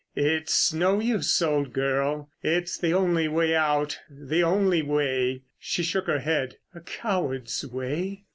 "It's no use, old girl; it's the only way out—the only way." She shook her head. "A coward's way."